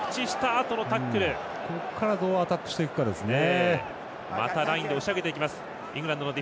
ここから、どうアタックしていくかですね。